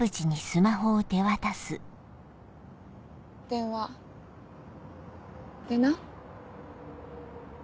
電話出な。